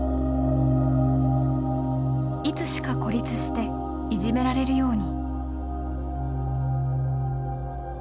いつしか孤立していじめられるように。